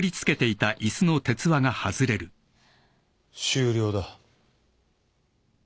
終了だ。